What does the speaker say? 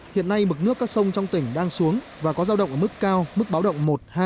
hiện nay mực nước các sông trong tỉnh đang xuống và có giao động ở mức cao mức báo động một hai